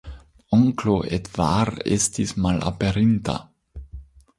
Onklo Edvard estis malaperinta.